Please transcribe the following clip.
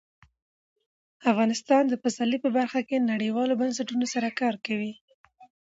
افغانستان د پسرلی په برخه کې نړیوالو بنسټونو سره کار کوي.